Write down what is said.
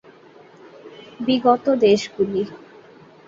বিগত দেশগুলি